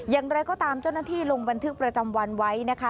อย่างไรก็ตามเจ้าหน้าที่ลงบันทึกประจำวันไว้นะคะ